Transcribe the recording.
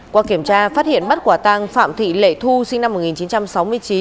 qua kiểm tra phát hiện bắt quả tăng phạm thị lệ thu sinh năm một nghìn chín trăm sáu mươi chín